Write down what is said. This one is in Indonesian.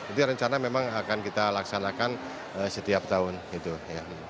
itu rencana memang akan kita laksanakan setiap tahun gitu ya